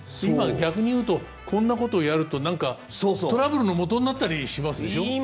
今逆に言うとこんなことをやると何かトラブルのもとになったりしますでしょ。